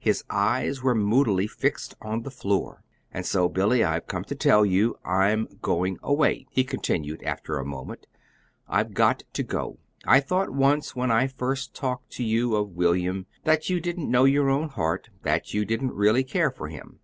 His eyes were moodily fixed on the floor. "And so, Billy, I've come to tell you. I'm going away," he continued, after a moment. "I've got to go. I thought once, when I first talked with you of William, that you didn't know your own heart; that you didn't really care for him.